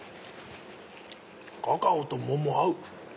カカオと桃合う！